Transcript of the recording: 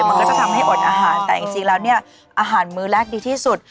มันก็จะทำให้อดอาหารแต่จริงแล้วเนี่ยอาหารมื้อแรกดีที่สุด